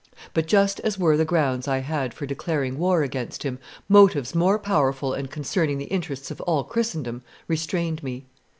But just as were the grounds I had for declaring war against him, motives more powerful and concerning the interests of all Christendom restrained me.